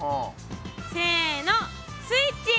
せのスイッチ。